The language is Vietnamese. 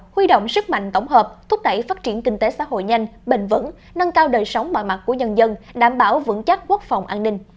huy động sức mạnh tổng hợp thúc đẩy phát triển kinh tế xã hội nhanh bền vững nâng cao đời sống mọi mặt của nhân dân đảm bảo vững chắc quốc phòng an ninh